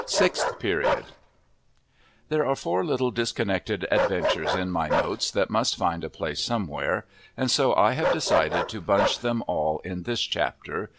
SIXTH PERIOD There are four little disconnected adventures in my notes that must find a place somewhere, and so I have decided to bunch them all in this chapter.